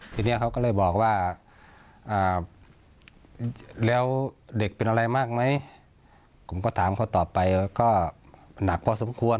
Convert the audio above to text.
ทีนี้เขาก็เลยบอกว่าแล้วเด็กเป็นอะไรมากไหมผมก็ถามเขาต่อไปก็หนักพอสมควร